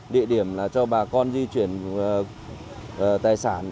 địa điểm là cho bà con di chuyển tài sản